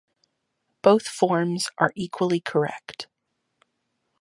Both forms are equally correct.